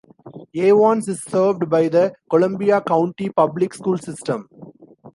Evans is served by the Columbia County Public School System.